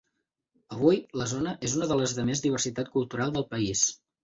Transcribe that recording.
Avui, la zona és una de les de més diversitat cultural del país.